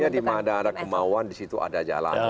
ya intinya dimana ada kemauan disitu ada jalan